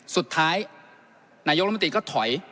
สุดท้ายนายกรมตรีก็ถอย